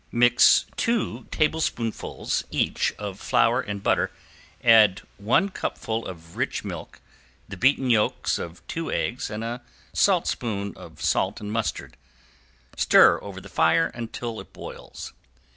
Mix two tablespoonfuls each of flour and butter, add one cupful of rich milk, the beaten yolks of two eggs and a saltspoon of salt and mustard, stir over the fire until it boils.